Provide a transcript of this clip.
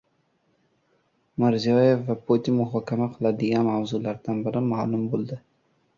Mirziyoyev va Putin muhokama qiladigan mavzulardan biri ma’lum bo‘ldi